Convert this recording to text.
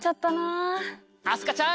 明日香ちゃん！